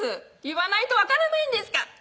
「言わないと分からないんですか⁉」